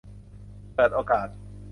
เปิดโอกาส